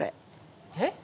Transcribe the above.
えっ？